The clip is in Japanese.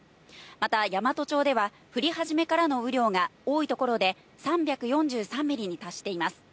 また山都町では、降り始めからの雨量が多い所で３４３ミリに達しています。